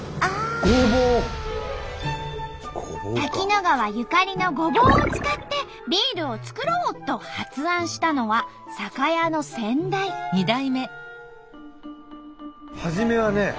滝野川ゆかりのごぼうを使ってビールを作ろう！と発案したのは酒屋の先代。